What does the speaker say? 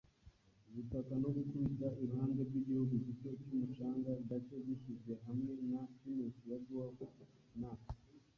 ubutaka no gukubita iruhande rwigihugu gito, cyumucanga, gake gishyizwe hamwe na pinusi ya dwarf, na